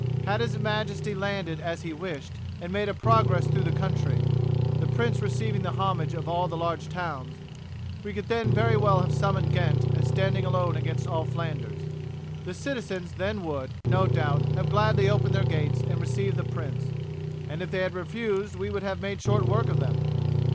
Had his majesty landed, as he wished, and made a progress through the country, the prince receiving the homage of all the large towns, we could then very well have summoned Ghent as standing alone against all Flanders. The citizens then would, no doubt, have gladly opened their gates and received the prince, and if they had refused we would have made short work of them.